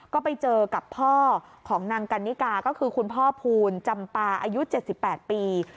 ก็ไปเจอกับพ่อของนางกันนิกาก็คือคุณพ่อภูลจำปาอายุ๗๘ปี